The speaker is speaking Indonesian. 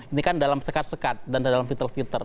ini kan dalam sekat sekat dan dalam filter filter